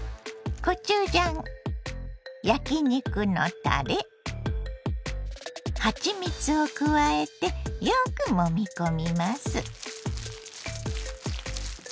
コチュジャン焼き肉のたれはちみつを加えてよくもみ込みます。